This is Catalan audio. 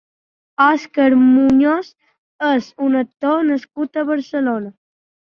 Òscar Muñoz és un actor nascut a Barcelona.